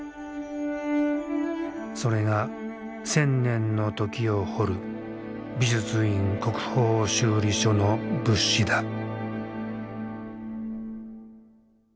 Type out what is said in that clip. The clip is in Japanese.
それが千年の時を彫る美術院国宝修理所の仏師だ。